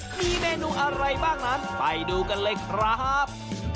มีเมนูอะไรบ้างนั้นไปดูกันเลยครับ